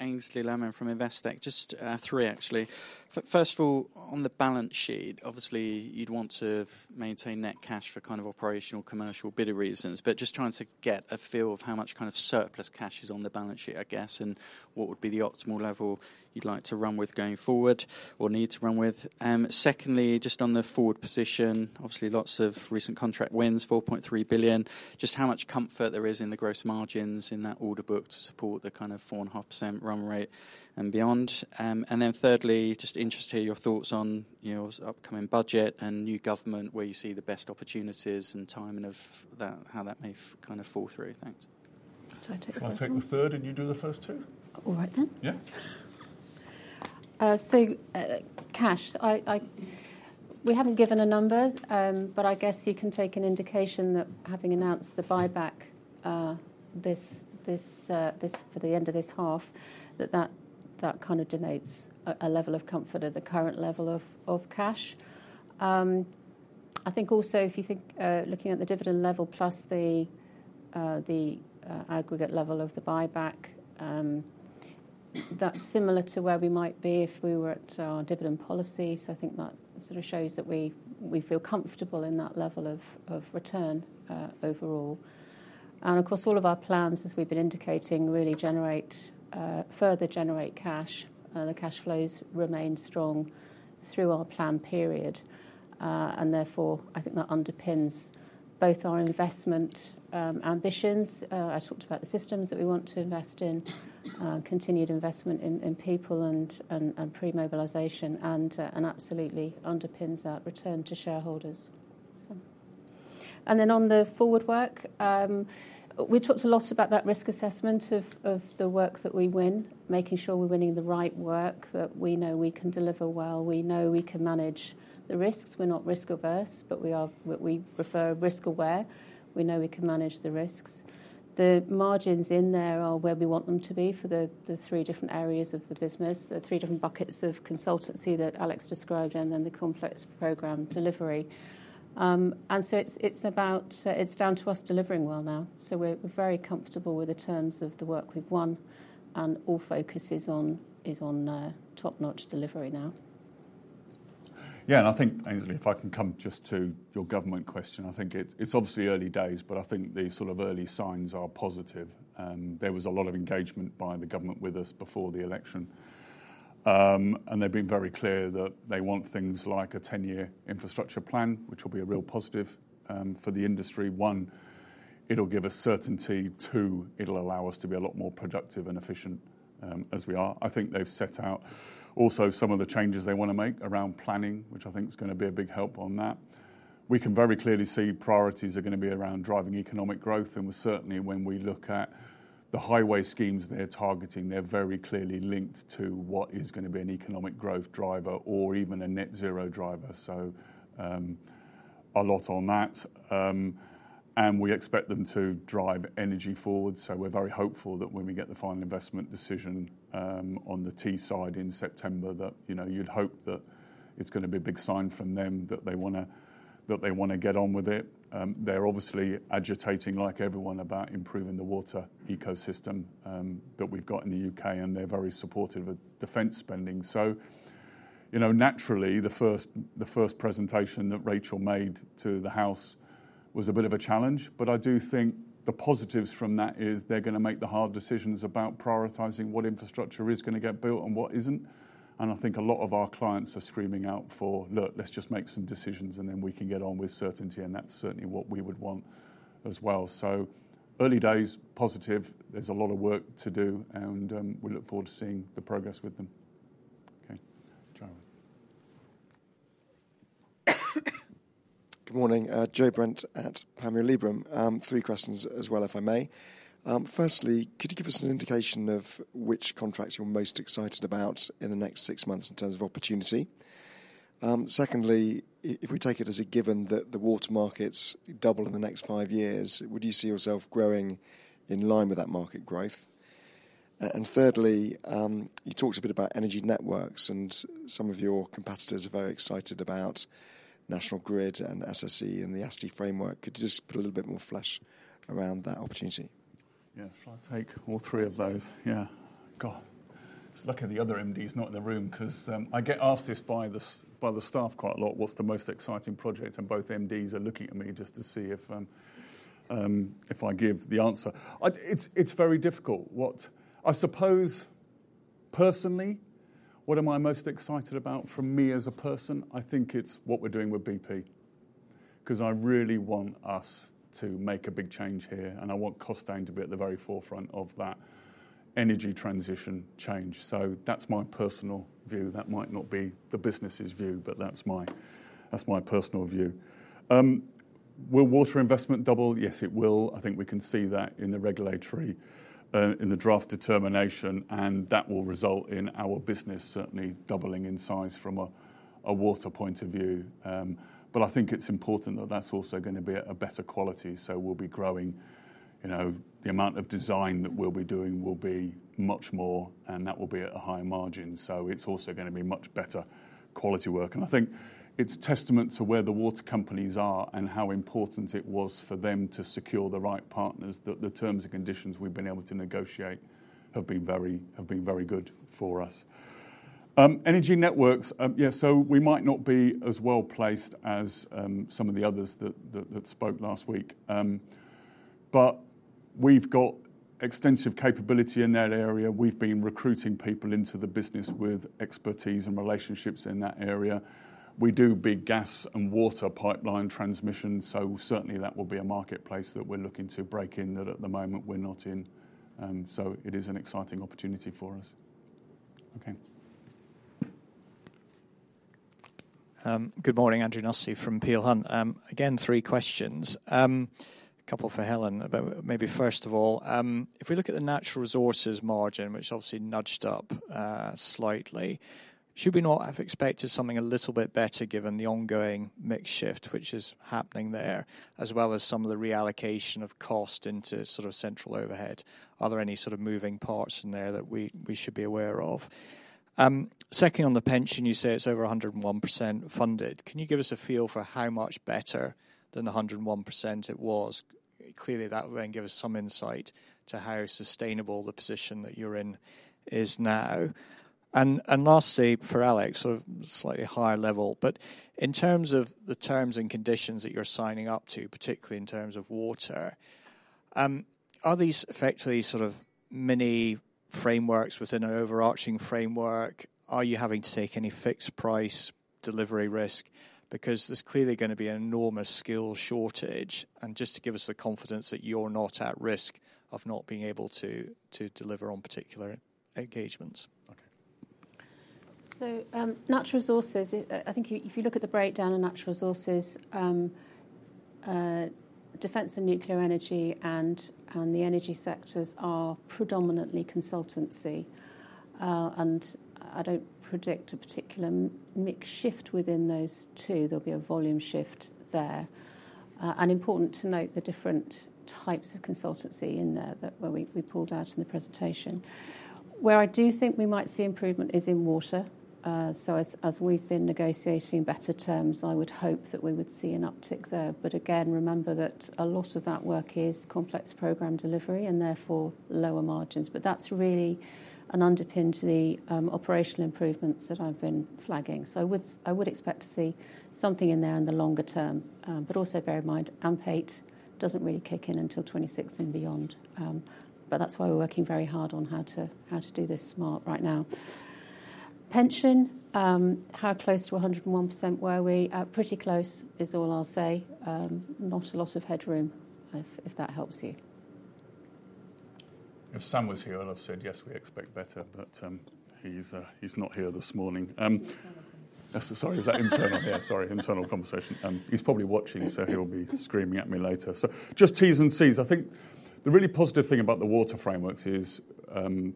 Thanks. Aynsley Lammin from Investec. Just three, actually. First of all, on the balance sheet, obviously, you'd want to maintain net cash for kind of operational, commercial, bidding reasons, but just trying to get a feel of how much kind of surplus cash is on the balance sheet, I guess and what would be the optimal level you'd like to run with going forward or need to run with? Secondly, just on the forward position, obviously lots of recent contract wins, 4.3bn. Just how much comfort there is in the gross margins in that order book to support the kind of 4.5% run rate and beyond? And then thirdly, just interested to hear your thoughts on, upcoming budget and new government, where you see the best opportunities and timing of that, how thatmay kind of fall through. Thanks. Shall I take the first one? You take the third and you do the first two? All right, then. We haven't given a number, but I guess you can take an indication that having announced the buyback, this for the end of this half, that kind of denotes a level of comfort at the current level of cash. I think also, if you think looking at the dividend level plus the aggregate level of the buyback, that's similar to where we might be if we were at our dividend policy. So I think that sort of shows that we feel comfortable in that level of return overall and of course, all of our plans, as we've been indicating, really generate further cash. The cash flows remain strong through our plan period and therefore, I think that underpins both our investment ambitions. I talked about the systems that we want to invest in, continued investment in people and pre-mobilization and absolutely underpins that return to shareholders and then, on the forward work, we talked a lot about that risk assessment of the work that we win, making sure we're winning the right work that we know we can deliver well, we know we can manage the risks. We're not risk-averse, but we prefer risk-aware. We know we can manage the risks. The margins in there are where we want them to be for the three different areas of the business, the three different buckets of consultancy that Alex described and then the complex program delivery. And so it's down to us delivering well now. So we're very comfortable with the terms of the work we've won and all focus is on top-notch delivery now. yeah and I think Aynsley, if I can come just to your government question. I think it's, it's obviously early days, but I think the sort of early signs are positive and there was a lot of engagement by the government with us before the election and they've been very clear that they want things like a ten-year infrastructure plan, which will be a real positive, for the industry. One, it'll give us certainty. Two, it'll allow us to be a lot more productive and efficient, as we are. I think they've set out also some of the changes they want to make around planning, which I think is gonna be a big help on that. We can very clearly see priorities are gonna be around driving economic growth and certainly, when we look at the highway schemes they're targeting, they're very clearly linked to what is going to be an economic growth driver or even a net zero driver, so a lot on that and we expect them to drive energy forward, so we're very hopeful that when we get the final investment decision on the Teesside in September, that, you'd hope that it's gonna be a big sign from them, that they wanna, that they want to get on with it. They're obviously agitating, like everyone, about improving the water ecosystem that we've got in the uk and they're very supportive of defense spending. So, naturally, the first presentation that Rachel made to the House was a bit of a challenge, but I do think the positives from that is they're gonna make the hard decisions about prioritizing what infrastructure is gonna get built and what isn't and I think a lot of our clients are screaming out for, "Look, let's justmake some decisions and then we can get on with certainty," and that's certainly what we would want as well. So early days, positive. There's a lot of work to do and we look forward to seeing the progress with them. Okay, Joe. Good Morning, Joe Brent at Panmure Liberum. Three questions as well, if I may. Firstly, could you give us an indication of which contracts you're most excited about in the next six months in terms of opportunity? Secondly, if we take it as a given that the water markets double in the next five years, would you see yourself growing in line with that market growth? And thirdly, you talked a bit about energy networks and some of your competitors are very excited about National Grid and SSE and the ASTI framework. Could you just put a little bit more flesh around that opportunity? Yeah. Shall I take all three of those? Yes. Yeah. God, it's lucky the other MD is not in the room, 'cause I get asked this by the staff quite a lot: "What's the most exciting project?" And both MDs are looking at me just to see if I give the answer. It's very difficult. What I suppose personally, what am i most excited about from me as a person? I think it's what we're doing with BP, 'cause I really want us to make a big change here and I want Costain to be at the very forefront of that energy transition change. So that's my personal view. That might not be the business's view, but that's my personal view. Will water investment double? Yes, it will. I think we can see that in the regulatory in the draft determination and that will result in our business certainly doubling in size from a water point of view. But I think it's important that that's also gonna be a better quality. So we'll be growing, the amount of design that we'll be doing will be much more and that will be at a higher margin. So it's also gonna be much better quality work and I think it's testament to where the water companies are and how important it was for them to secure the right partners that the terms and conditions we've been able to negotiate have been very good for us. Energy networks, yeah, so we might not be as well-placed as some of the others that spoke last week. But we've got extensive capability in that area. We've been recruiting people into the business with expertise and relationships in that area. We do big gas and water pipeline transmission, so certainly that will be a marketplace that we're looking to break in, that at the moment we're not in. So it is an exciting opportunity for us. Okay. Good Morning Andrew Nussey from Peel Hunt. Again, three questions. A couple for Helen, about maybe first of all, if we look at the natural resources margin, which obviously nudged up, slightly, should we not have expected something a little bit better given the ongoing mix shift which is happening there, as well as some of the reallocation of cost into sort of central overhead? Are there any sort of moving parts in there that we should be aware of? Secondly, on the pension, you say it's over 101% funded. Can you give us a feel for how much better than 101% it was? Clearly, that will then give us some insight to how sustainable the position that you're in is now. Lastly, for Alex, sort of slightly higher level, but in terms of the terms and conditions that you're signing up to, particularly in terms of water, are these effectively sort ofmini frameworks within an overarching framework? Are you having to take any fixed price delivery risk? Because there's clearly gonna be an enormous skill shortage and just to give us the confidence that you're not at risk of not being able to deliver on particular engagements. Okay. So, natural resources. I think if you look at the breakdown of natural resources, defense and nuclear energy and the energy sectors are predominantly consultancy and I don't predict a particular mix shift within those two. There'll be a volume shift there and important to note the different types of consultancy in there that, where we pulled out in the presentation. Where I do think we might see improvement is in water. So as we've been negotiating better terms, I would hope that we would see an uptick there. But again, remember that a lot of that work is complex program delivery and therefore lower margins. But that's really an underpin to the operational improvements that I've been flagging. So I would expect to see something in there in the longer term. But also bear in mind, AMP8 doesn't really kick in until 2026 and beyond. But that's why we're working very hard on how to do this smart right now. Pension, how close to 101% were we? Pretty close is all I'll say. Not a lot of headroom, if that helps you. If Sam was here, I'd have said, "Yes, we expect better," but he's not here this morning. So sorry, is that internal? Yeah, sorry, internal conversation. He's probably watching, so he'll be screaming at me later. So just T's and C's. I think the really positive thing about the water frameworks is,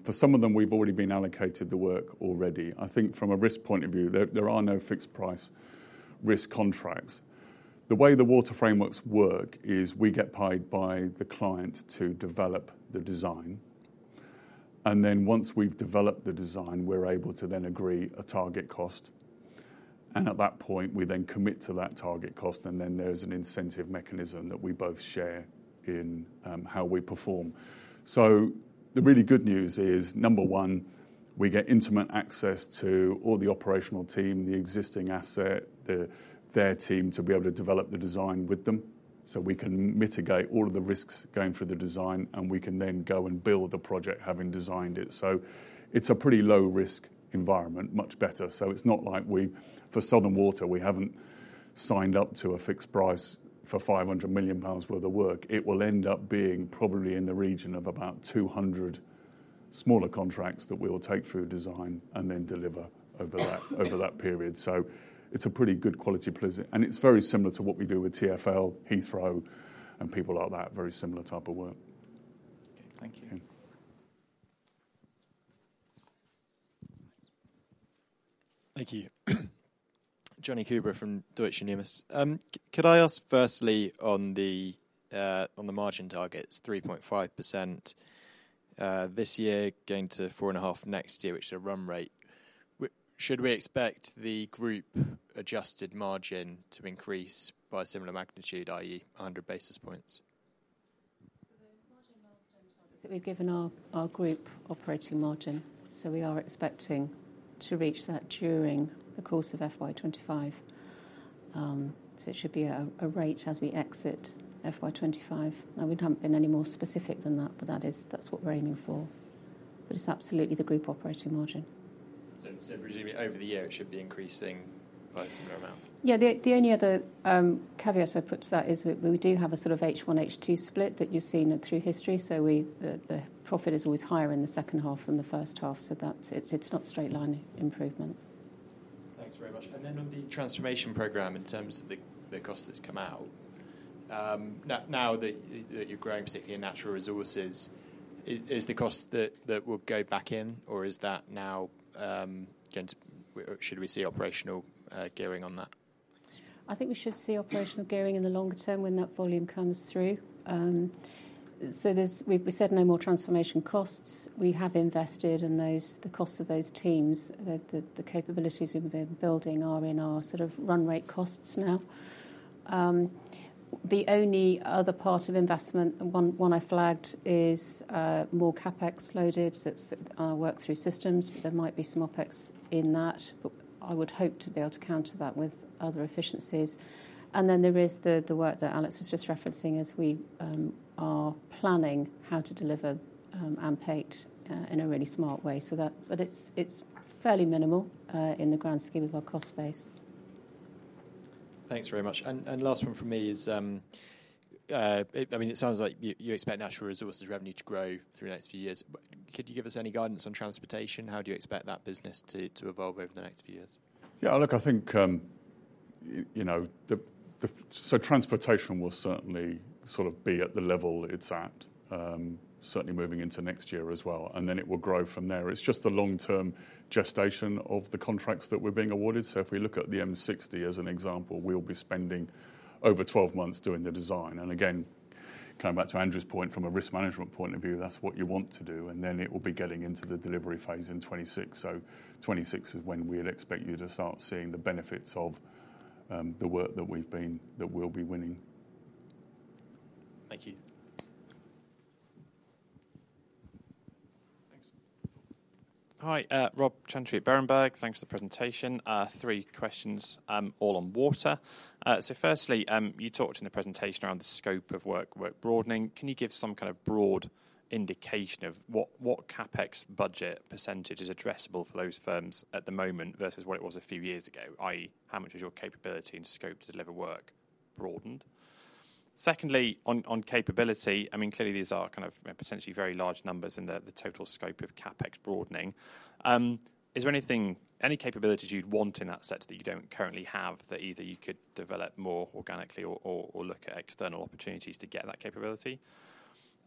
for some of them, we've already been allocated the work. I think from a risk point of view, there are no fixed price risk contracts. The way the water frameworks work is we get paid by the client to develop the design and then once we've developed the design, we're able to then agree a target cost and at that point, we then commit to that target cost and then there's an incentive mechanism that we both share in how we perform. The really good news is, number one, we get intimate access to all the operational team, the existing asset, their team, to be able to develop the design with them. So we can mitigate all of the risks going through the design and we can then go and build the project, having designed it. So it's a pretty low-risk environment, much better. So it's not like we, for Southern Water, we haven't signed up to a fixed price for 500m pounds worth of work. It will end up being probably in the region of about 200 smaller contracts that we will take through design and then deliver over that, over that period. So it's a pretty good quality pipeline. It's very similar to what we do with TfL, Heathrow and people like that. Very similar type of work. Okay, thank you. Thank you. Jonny Coubrough from Deutsche Numis. Could I ask firstly on the margin targets, 3.5%, this year going to 4.5% next year which is a run rate. Should we expect the group adjusted margin to increase by a similarmagnitude, i.e., a hundred basis points? So the margin milestone target, we've given our group operating margin, so we are expecting to reach that during the course of FY 2025. So it should be a rate as we exit FY 2025. Now, we haven't been any more specific than that, but that is... that's what we're aiming for. But it's absolutely the group operating margin. So, so presumably over the year, it should be increasing by a similar amount? Yeah. The only other caveat I'd put to that is we do have a sort of H1, H2 split that you've seen through history, so the profit is always higher in the H2 than the H1. So that's, it's not straight line improvement. Thanks very much and then on the transformation program, in terms of the cost that's come out, now that you're growing, particularly in natural resources, is the cost that will go back in, or is that now going to, should we see operational gearing on that? I think we should see operational gearing in the longer term, when that volume comes through. So there's. We said nomore transformation costs. We have invested and those, the costs of those teams, the capabilities we've been building are in our sort of run rate costs now. The only other part of investment, one I flagged, ismore CapEx loaded. That's work through systems. Theremight be some OpEx in that, but I would hope to be able to counter that with other efficiencies and then there is the work that Alex was just referencing as we are planning how to deliver AMP8 in a really smart way, so that. But it's fairlyminimal in the grand scheme of our cost base. Thanks very much and last one from me is, I mean, it sounds like you expect natural resources revenue to grow through the next few years. Could you give us any guidance on transportation? How do you expect that business to evolve over the next few years? Yeah, look, I think, the. So transportation will certainly sort of be at the level it's at, certainly moving into next year as well and then it will grow from there. It's just the long-term gestation of the contracts that we're being awarded. So if we look at the M60 as an example, we'll be spending over 12 months doing the design and again, coming back to Andrew's point, from a risk management point of view, that's what you want to do and then it will be getting into the delivery phase in 2026. So 2026 is when we'd expect you to start seeing the benefits of, the work that we'll be winning. Thank you. Hi, Rob Chantry at Berenberg. Thanks for the presentation. Three questions, all on water. So firstly, you talked in the presentation around the scope of work, work broadening. Can you give some kind of broad indication of what CapEx budget percentage is addressable for those firms at the moment versus what it was a few years ago how much is your capability and scope to deliver work broadened? Secondly, on capability, I mean, clearly these are kind of potentially very large numbers in the total scope of CapEx broadening. Is there anything, any capabilities you'd want in that set that you don't currently have, that either you could develop more organically or look at external opportunities to get that capability?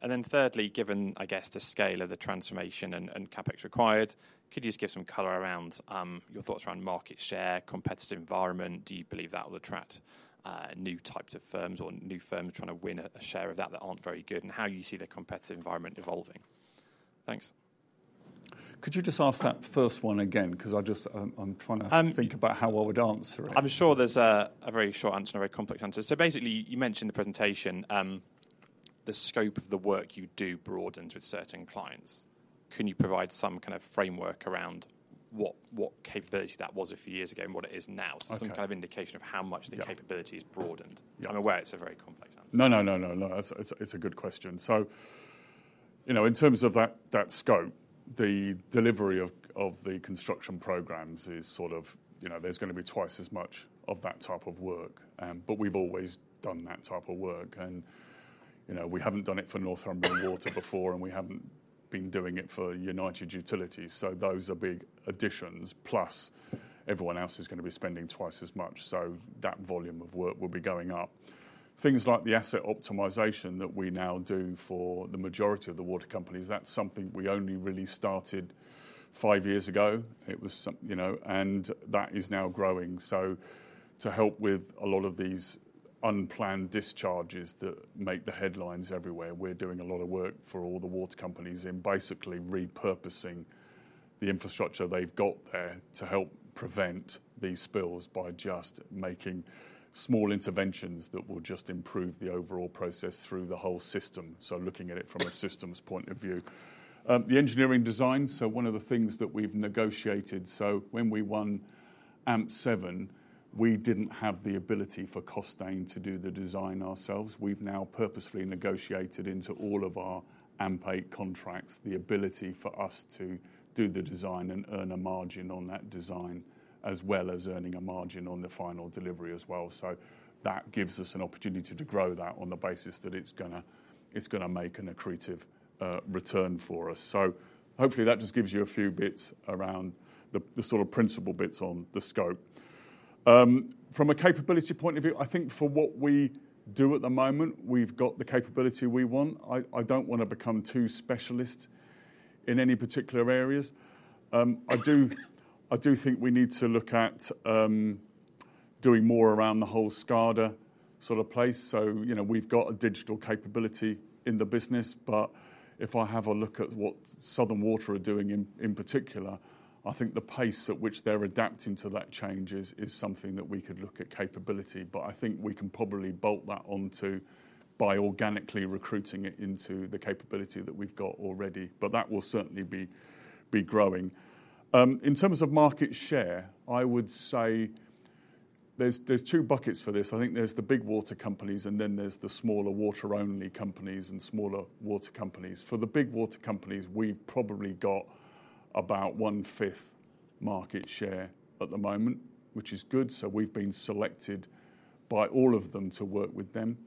And then thirdly, given, I guess, the scale of the transformation and CapEx required, could you just give some color around your thoughts around market share, competitive environment? Do you believe that will attract new types of firms or new firms trying to win a share of that that aren't very good and how you see the competitive environment evolving? Thanks. Could you just ask that first one again? Because I just, I'm trying to think about how I would answer it. I'm sure there's a very short answer and a very complex answer. So basically, you mentioned in the presentation, the scope of the work you do broadened with certain clients. Can you provide some kind of framework around what capability that was a few years ago and what it is now? So some kind of indication of how much the capability is broadened and I'm aware it's a very complex answer. No, It's a good question. in terms of that scope, the delivery of the construction programs is sort of, there's gonna be twice as much of that type of work. But we've always done that type of work and we haven't done it for Northumbrian Water before and we haven't been doing it for United Utilities, so those are big additions. Plus, everyone else is gonna be spending twice as much, so that volume of work will be going up. Things like the asset optimization that we now do for the majority of the water companies, that's something we only really started five years ago. It was some, and that is now growing. So, to help with a lot of these unplanned discharges that make the headlines everywhere, we're doing a lot of work for all the water companies in basically repurposing the infrastructure they've got there to help prevent these spills by just making small interventions that will just improve the overall process through the whole system. So, looking at it from a systems point of view. The engineering design, so one of the things that we've negotiated, so when we won AMP7, we didn't have the ability for Costain to do the design ourselves. We've now purposefully negotiated into all of our AMP8 contracts the ability for us to do the design and earn a margin on that design, as well as earning a margin on the final delivery as well. So that gives us an opportunity to grow that on the basis that it's gonna make an accretive return for us. So hopefully that just gives you a few bits around the sort of principal bits on the scope. From a capability point of view, I think for what we do at the moment, we've got the capability we want. I don't want to become too specialist in any particular areas. I do think we need to look at doing more around the whole SCADA sort of place. So, we've got a digital capability in the business, but if I have a look at what Southern Water are doing in particular, I think the pace at which they're adapting to that change is something that we could look at capability. But I think we can probably bolt that on to by organically recruiting it into the capability that we've got already. But that will certainly be growing. In terms of market share, I would say there's two buckets for this. I think there's the big water companies and then there's the smaller water-only companies and smaller water companies. For the big water companies, we've probably got about one-fifth market share at the moment, which is good. So we've been selected by all of them to work with them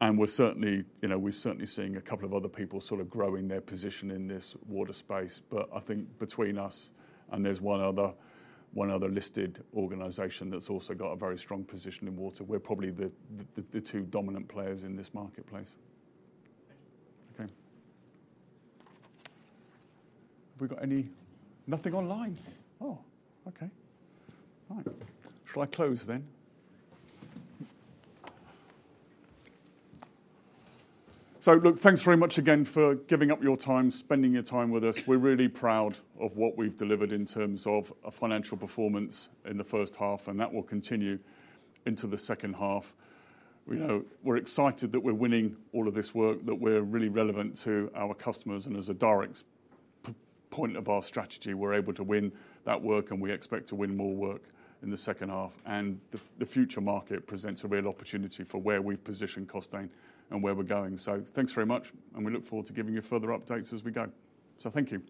and we're certainly, we're certainly seeing a couple of other people sort of growing their position in this water space. But I think between us and one other listed organization that's also got a very strong position in water, we're probably the two dominant players in this marketplace. Okay. Have we got any... Nothing online? Oh, okay. All right. Shall I close then? So look, thanks very much again for giving up your time, spending your time with us. We're really proud of what we've delivered in terms of a financial performance in the H1 and that will continue into the H2. We know we're excited that we're winning all of this work, that we're really relevant to our customers and as a direct point of our strategy, we're able to win that work and we expect to winmore work in the H2 and the futuremarket presents a real opportunity for where we position Costain and where we're going. So thanks very much and we look forward to giving you further updates as we go. So thank you.